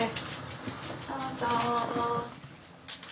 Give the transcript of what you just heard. どうぞ。